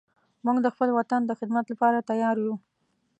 موږ د خپل وطن د خدمت لپاره تیار یو